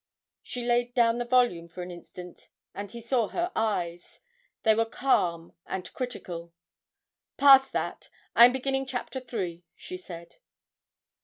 She laid down the volume for an instant, and he saw her eyes they were calm and critical. 'Past that! I am beginning Chapter Three,' she said.